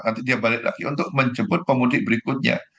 nanti dia balik lagi untuk menjemput pemudik berikutnya